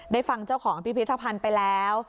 ฟังเจ้าของพิพิธภัณฑ์ไปแล้ว